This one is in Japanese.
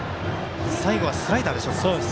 最後はスライダーでしょうか。